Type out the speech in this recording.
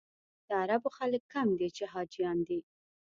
د عربو خلک کم دي چې حاجیان دي.